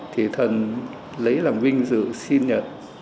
thì thần lấy làm vinh dự xin nhận